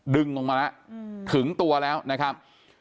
ดึงลงมาแล้วถึงตัวแล้วนะครับ